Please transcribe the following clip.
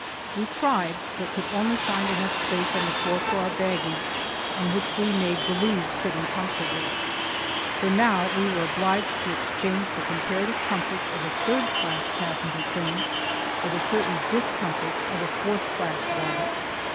We tried, but could only find enough space on the floor for our baggage, on which we made believe sitting comfortably. For now we were obliged to exchange the comparative comforts of a third class passenger train for the certain discomforts of a fourth class one.